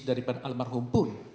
daripada almarhum pun